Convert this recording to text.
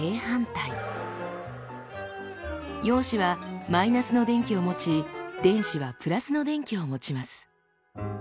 陽子はマイナスの電気を持ち電子はプラスの電気を持ちます。